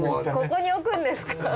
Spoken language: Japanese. ここに置くんですか。